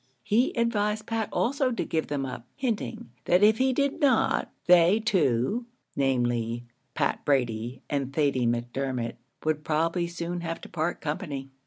He advised Pat also to give them up, hinting that if he did not, they two, viz., Pat Brady and Thady Macdermot, would probably soon have to part company.